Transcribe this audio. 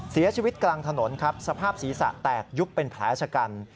เสียชีวิตกลางถนนครับสภาพศีรษะแตกยุบเป็นแผลชะกัน